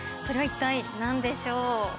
それは一体何でしょう？